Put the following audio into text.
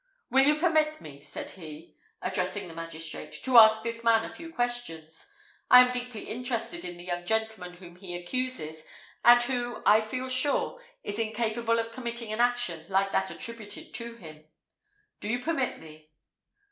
"Will you permit me," said he, addressing the magistrate, "to ask this man a few questions? I am deeply interested in the young gentleman whom he accuses, and who, I feel sure, is incapable of committing an action like that attributed to him. Do you permit me?"